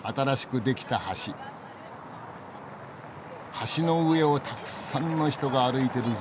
橋の上をたくさんの人が歩いてるぞ。